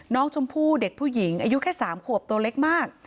น้องชมพู่เด็กผู้หญิงอายุแค่๓ขวบตัวเล็กมาก